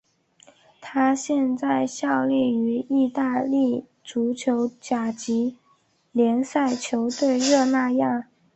他现在效力于意大利足球甲级联赛球队热那亚。